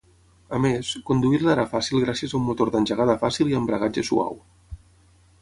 A més, conduir-la era fàcil gràcies a un motor d'engegada fàcil i embragatge suau.